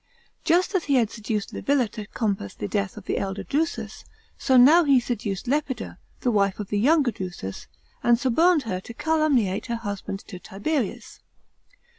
Just as he had seduced Li villa to compass the death of the elder Drusus, so now he seduced Lepida, the wife of the younger Drusus, and suborned her to calumniate her husband to Tiberius.